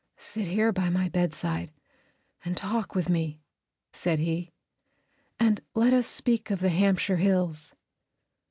"Sit here by my bedside and talk with me," said he, "and let us speak of the Hampshire hills."